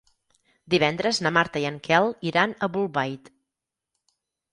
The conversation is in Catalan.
Divendres na Marta i en Quel iran a Bolbait.